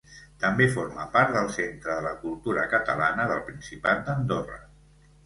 També forma part del Centre de la Cultura Catalana del Principat d'Andorra.